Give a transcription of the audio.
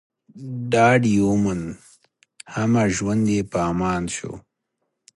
ډاډ يې وموند، همه ژوند يې په امان شو